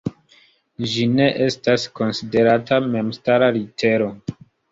Ĝi ne estas konsiderata memstara litero.